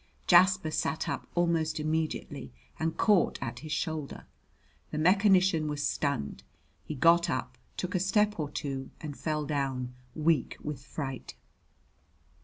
Jasper sat up almost immediately and caught at his shoulder. The mechanician was stunned. He got up, took a step or two and fell down, weak with fright.